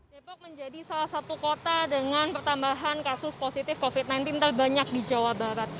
depok menjadi salah satu kota dengan pertambahan kasus positif covid sembilan belas terbanyak di jawa barat